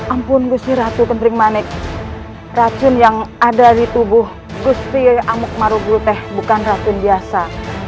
ampun gusri ratu ketering manik racun yang ada di tubuh gusri amuk maruguteh bukan racun biasa